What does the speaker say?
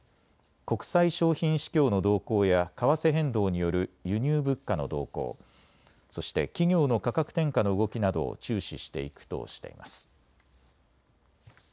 国際商品市況の動向や為替変動による輸入物価の動向、そして企業の価格転嫁の動きなどを注視していくとしています。